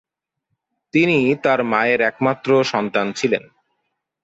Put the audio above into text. তিনি তার মায়ের একমাত্র সন্তান ছিলেন।